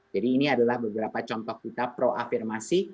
jadi ini adalah beberapa contoh kita proafirmasi